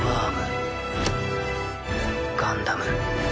ガンダム。